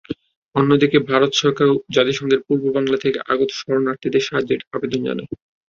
অন্যদিকে, ভারত সরকারও জাতিসংঘে পূর্ব বাংলা থেকে আগত শরণার্থীদের সাহায্যের আবেদন জানায়।